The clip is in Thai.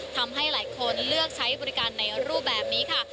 ทำให้หลายคนเลือกใช้บริการในรูปแบบนี้ค่ะ